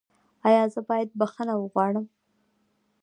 ایا زه باید بخښنه وغواړم؟